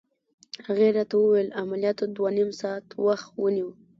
هغې راته وویل: عملياتو دوه نيم ساعته وخت ونیو.